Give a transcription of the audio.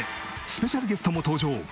スペシャルゲストも登場。